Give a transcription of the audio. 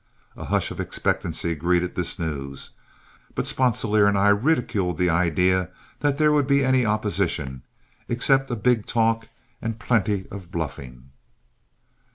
A hush of expectancy greeted this news, but Sponsilier and I ridiculed the idea that there would be any opposition, except a big talk and plenty of bluffing.